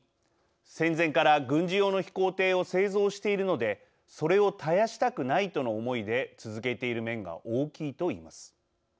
戦前から軍事用の飛行艇を製造しているのでそれを絶やしたくないとの思いで続けている面が大きい」と言います。